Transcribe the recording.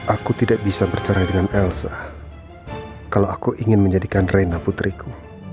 aku tidak bisa berbicara dengan elsa kalau aku ingin menjadikan reina putriku